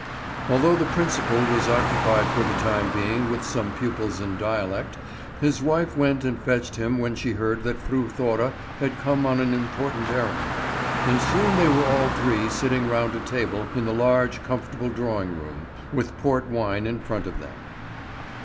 Although the principal was occupied for the time being with some pupils in dialect, his wife went and fetched him when she heard that Fru Thora had come on an important errand; and soon they were all three sitting round a table in the large, comfortable drawing room, with port wine in front of them.